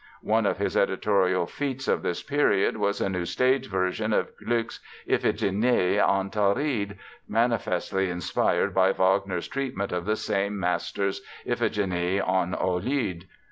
One of his editorial feats of this period was a new stage version of Gluck's Iphigénie en Tauride, manifestly inspired by Wagner's treatment of the same master's Iphigénie en Aulide.